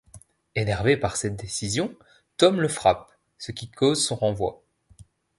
Énervé par cette décision, Tom le frappe, ce qui cause son renvoi.